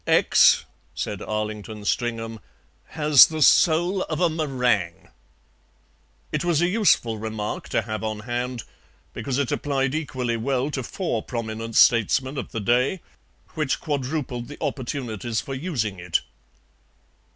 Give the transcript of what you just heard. "X," said Arlington Stringham, "has the soul of a meringue." It was a useful remark to have on hand, because it applied equally well to four prominent statesmen of the day, which quadrupled the opportunities for using it.